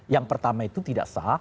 yang pertama itu tidak sah